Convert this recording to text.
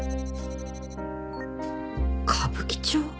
歌舞伎町？